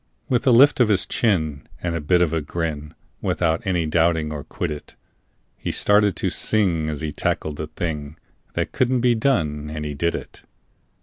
With a lift of his chin and a bit of a grin, Without any doubting or quiddit, He started to sing as he tackled the thing That couldn't be done, and he did it.